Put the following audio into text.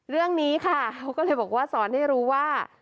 เรื่องนี้ค่ะเขาก็เลยบอกว่าสอนให้รู้ว่า